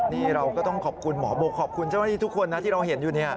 นี่เราก็ต้องขอบคุณหมอโบขอบคุณเจ้าหน้าที่ทุกคนนะที่เราเห็นอยู่